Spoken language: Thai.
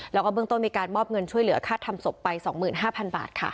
แล้วก็เบื้องต้นมีการมอบเงินช่วยเหลือค่าทำศพไป๒๕๐๐๐บาทค่ะ